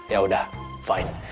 ya udah fine